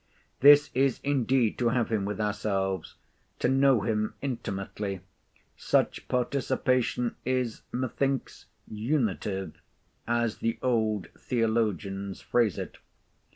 This is indeed to have him within ourselves; to know him intimately: such participation is methinks unitive, as the old theologians phrase it.